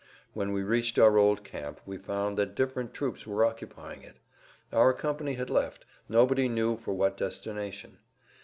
When we reached our old camp, we found that different troops were occupying it. Our company had left, nobody knew for what destination.